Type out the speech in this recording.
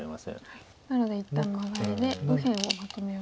なので一旦マガリで右辺をまとめようと。